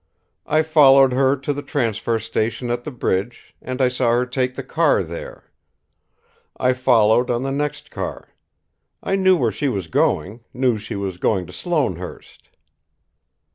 I followed her to the transfer station at the bridge, and I saw her take the car there. I followed on the next car. I knew where she was going, knew she was going to Sloanehurst."